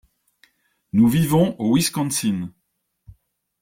Nous vivons au Wisconsin.